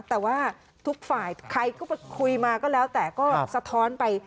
แต่ว่าทุกฝ่ายใครก็ไปคุยมาก็แล้วแต่ก็สะท้อนไป